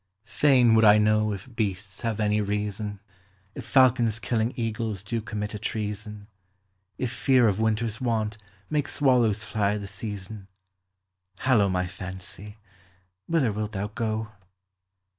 Fain would I know if beasts have any reason ; If falcons killing eagles do commit a treason ; If fear of winter's want make swallows fly the season. Hallo, my fancy, whither wilt thou go